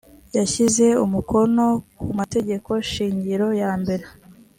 yashyize umukono ku mategeko shingiro ya mbere